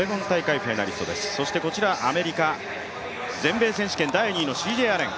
そしてこちらアメリカ、全米選手権第２位のＣＪ・アレン。